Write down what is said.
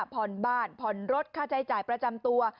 ผ่อนบ้านผ่อนรถค่าใช้จ่ายประจำตัว